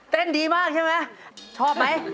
เต้นดีมากใช่มะชอบไหม